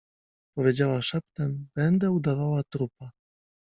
Powiedziała szeptem: — Będę udawała trupa.